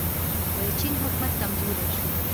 د چین حکومت کمزوری شو.